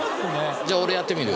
じゃあ俺やってみる。